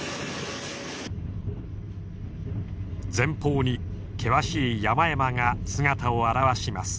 前方に険しい山々が姿を現します。